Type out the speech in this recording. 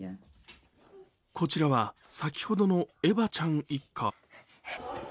こちらは先ほどのエバちゃん一家。